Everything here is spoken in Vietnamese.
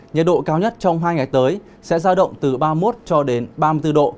nhiệt độ cao nhất trong hai ngày tới sẽ ra động từ ba mươi một cho đến ba mươi bốn độ